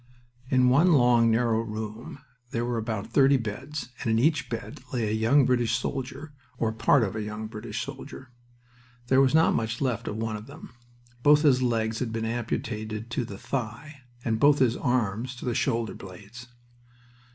In one long, narrow room there were about thirty beds, and in each bed lay a young British soldier, or part of a young British soldier. There was not much left of one of them. Both his legs had been amputated to the thigh, and both his arms to the shoulder blades.